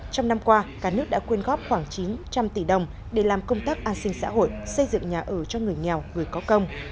trong năm qua cả nước đã quyên góp khoảng chín trăm linh tỷ đồng để làm công tác an sinh xã hội xây dựng nhà ở cho người nghèo người có công